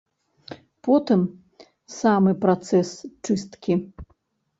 Потым самы працэс чысткі.